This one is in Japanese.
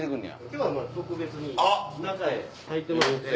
今日は特別に中へ入ってもらって。